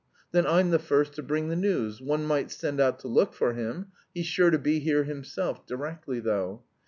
Then I'm the first to bring the news. One might send out to look for him; he's sure to be here himself directly though.